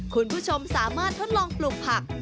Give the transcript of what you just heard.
คุณผู้ชมสามารถทดลองปลูกผัก